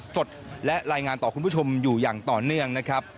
จดและรายงานต่อคุณผู้ชมอยู่อย่างต่อเนื่องนะครับ